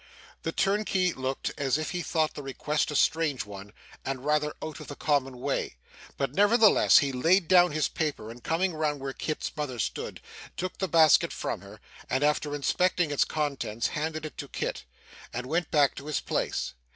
The turnkey looked as if he thought the request a strange one and rather out of the common way, but nevertheless he laid down his paper, and coming round where Kit's mother stood, took the basket from her, and after inspecting its contents, handed it to Kit, and went back to his place.